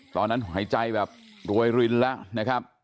ตอนนั้นหายใจแบบรวยรินแล้วนะครับ